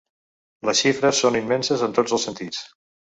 Les xifres són immenses en tots els sentits.